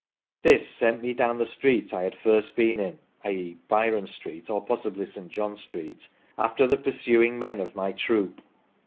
' This sent me down the street I had first been in [i.e. Byrom Street, or possibly St. John Street] after the pursuing men of my troop."